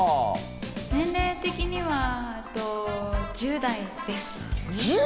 年齢的には１０代です。